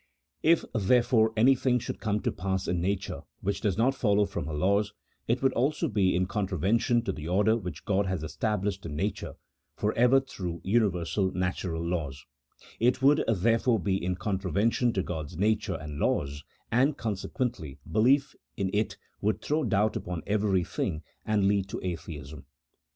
If, therefore, any thing should come to pass in nature winch does not follow from her laws, it would also be in contravention to the order which God has established in nature for ever through universal natural laws : it would, therefore, be in contraven tion to God's nature and laws, and, consequently, belief in it would throw doubt upon everything, and lead to Atheism.